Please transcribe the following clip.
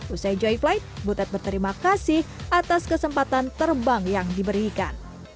usai joy flight butet berterima kasih atas kesempatan terbang yang diberikan